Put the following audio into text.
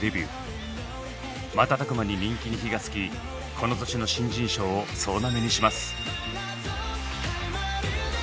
瞬く間に人気に火がつきこの年の新人賞を総なめにします。